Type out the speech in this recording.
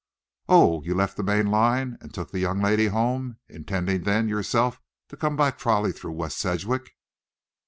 "Oh, you left the main line and took the young lady home, intending then yourself to come by trolley through West Sedgwick?"